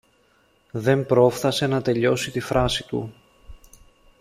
Δεν πρόφθασε να τελειώσει τη φράση του.